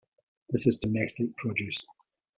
This is domestic produce.